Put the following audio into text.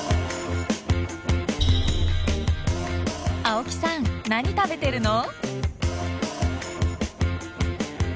青木さん何食べてるの？